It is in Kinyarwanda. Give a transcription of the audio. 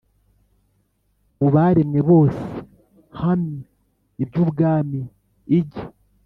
mu baremwe bose Hamya iby Ubwami igi